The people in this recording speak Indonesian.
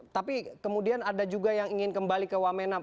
tapi kemudian ada juga yang ingin kembali ke wawena